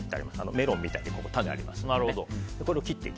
メロンみたいに種ありますので。